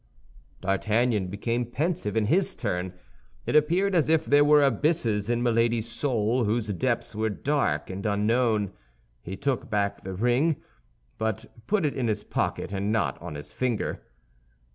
D'Artagnan became pensive in his turn; it appeared as if there were abysses in Milady's soul whose depths were dark and unknown. He took back the ring, but put it in his pocket and not on his finger.